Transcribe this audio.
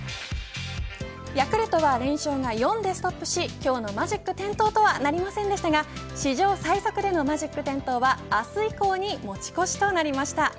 ヤクルトは連勝が４でストップし今日のマジック点灯とはなりませんでしたが史上最速でのマジック点灯は明日以降に持ち越しとなりました。